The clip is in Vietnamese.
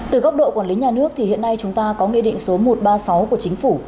từ góc độ quản lý nhà nước thì hiện nay chúng ta có nghị định số một trăm ba mươi sáu của chính phủ